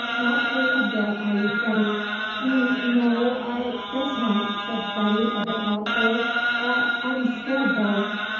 "Not hurt a bit, are you, Freddie?" "N no, I I guess not," said Freddie, a bit doubtfully. "I I'm scared, though."